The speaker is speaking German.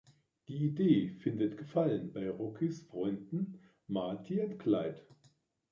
Die Idee findet Gefallen bei Rockys Freunden Marty und Clyde.